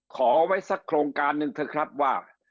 ขอไว้สักโครงการหนึ่งเถอะครับว่า